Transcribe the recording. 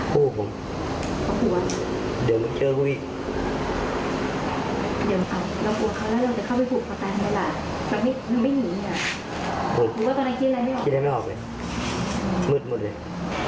มืดเดี๋ยวตอนนั้นก็ต่อตามมาผมไม่ห่วง